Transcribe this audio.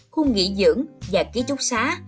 khu nghỉ dưỡng và ký chúc xá